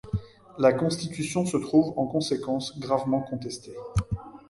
La Constitution se trouve, en conséquence, gravement contestée.